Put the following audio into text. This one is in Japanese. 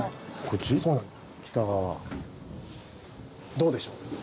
どうでしょう？